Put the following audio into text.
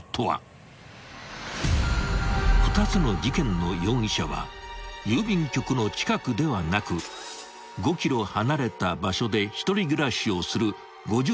［２つの事件の容疑者は郵便局の近くではなく５ｋｍ離れた場所で１人暮らしをする］